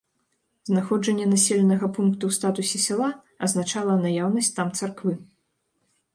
Знаходжанне населенага пункта ў статусе сяла азначала наяўнасць там царквы.